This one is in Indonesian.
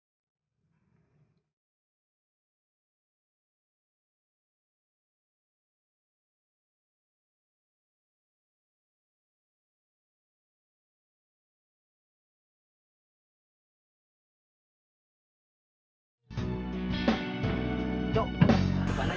ku zichk bisa arthur itu ga tau sih